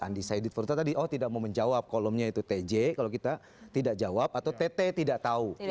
undecided voter tadi oh tidak mau menjawab kolomnya itu tj kalau kita tidak jawab atau tt tidak tahu